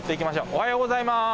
おはようございます。